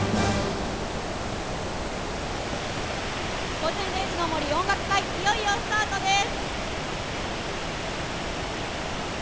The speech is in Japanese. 「午前０時の森音楽会」いよいよスタートです！